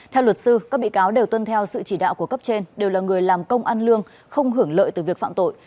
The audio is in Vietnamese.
theo luật sư các bị cáo đều tuân theo sự chỉ đạo của cấp trên đều là người làm công ăn lương không hưởng lợi từ việc phạm tội